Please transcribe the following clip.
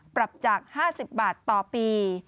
ปรับจาก๕๐บาทต่อปี